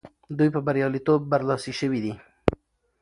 دوی په بریالیتوب برلاسي سوي دي.